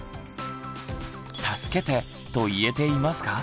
「助けて」と言えていますか？